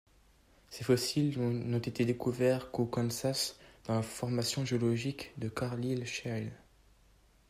Ses fossiles n'ont été découverts qu'au Kansas dans la formation géologique de Carlile Shale.